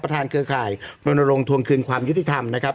เครือข่ายรณรงค์ทวงคืนความยุติธรรมนะครับ